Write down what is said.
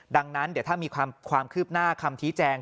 ดังนั้นเดี๋ยวถ้ามีความคืบหน้าคำชี้แจง